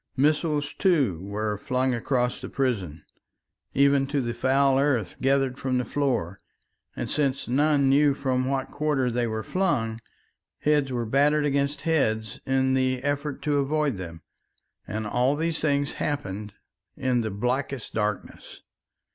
Missiles, too, were flung across the prison, even to the foul earth gathered from the floor, and since none knew from what quarter they were flung, heads were battered against heads in the effort to avoid them. And all these things happened in the blackest darkness.